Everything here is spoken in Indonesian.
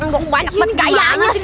ini burung banyak banget gak nyana sih